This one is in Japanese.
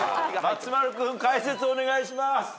松丸君解説お願いします。